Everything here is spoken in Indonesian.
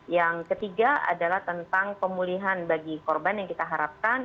yang ketiga adalah tentang pemulihan bagi korban yang kita harapkan